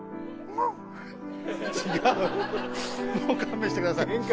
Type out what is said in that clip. もう勘弁してください。